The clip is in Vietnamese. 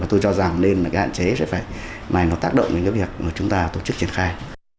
tôi cho rằng nên hạn chế sẽ phải tác động đến việc chúng ta tổ chức trang khai